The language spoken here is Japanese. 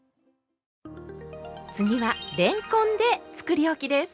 次はれんこんでつくりおきです。